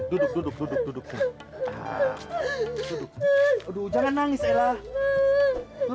duduk duduk jangan nangis elah